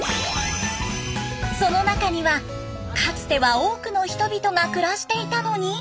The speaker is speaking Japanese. その中にはかつては多くの人々が暮らしていたのに。